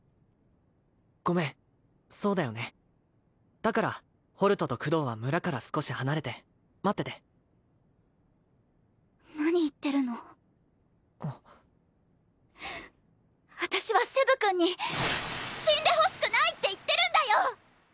ごめんそうだよねだからホルトとクドーは村から少し離れて待ってて何言ってるの私はセブ君に死んでほしくないって言ってるんだよ！